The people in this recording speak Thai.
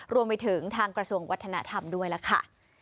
รวมไปถึงทางกระทรวงวัฒนธรรมด้วยล่ะค่ะ